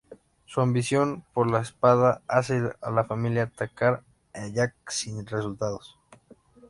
Su ambición por la espada hace a la familia atacar a Jack sin resultados.